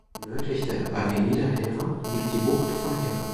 Nördlich der "Avenida Hera" liegt die Bucht von Hera.